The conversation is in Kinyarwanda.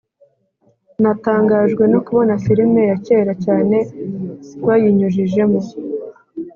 Natangajwe no kubona filime ya kera cyane bayinyujijemo